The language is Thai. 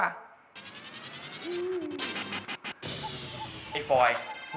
ไอฟัอย